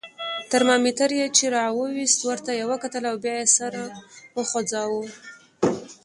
ترمامیتر یې چې را وایست، ورته یې وکتل او بیا یې سر وخوځاوه.